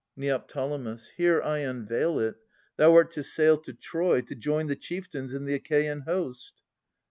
Neo. Here I unveil it. Thou art to sail to Troy, To join the chieftains and the Achaean host.